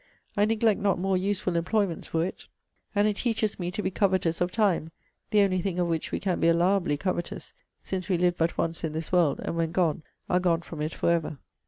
I neglect not more useful employments for it. And it teaches me to be covetous of time; the only thing of which we can be allowably covetous; since we live but once in this world; and, when gone, are gone from it for ever.'